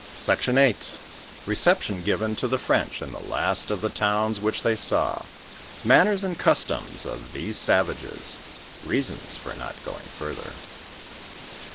SECTION VIII. BECEPTIOS GIVES TO THE FSBITCH IN THE LAST OF THE TOWNS WHICH THEY SAW.— MANNERS AND CUSTOMS OF THESE SAVAGES.— REASONS FOR NOT GOING FURTHER.